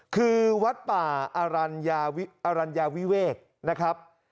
คือวัดป่าอรัญญาวิเวกนะครับ